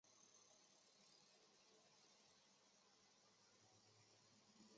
前十名车手可获得积分。